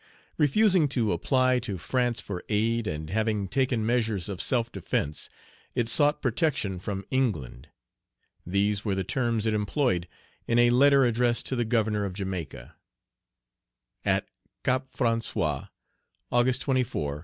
Refusing to apply to France for aid, and having taken measures of self defence, it sought protection from England. These were the terms it employed in a letter addressed to the Governor of Jamaica: "AT CAP FRANÇOIS, August 24, 1791.